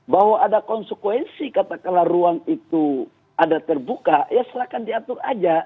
bahwa ada konsekuensi kata kata ruang itu ada terbuka ya silahkan diatur saja